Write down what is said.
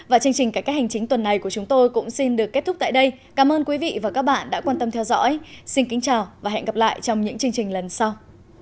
và chương trình cải cách hành chính tuần này của chúng tôi cũng xin được kết thúc tại đây cảm ơn quý vị và các bạn đã quan tâm theo dõi xin kính chào và hẹn gặp lại trong những chương trình lần sau